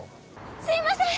すいません！